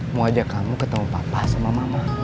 mau ajak kamu ketemu papa sama mama